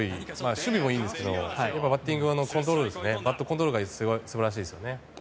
守備もいいですけどバットコントロールが素晴らしいですよね。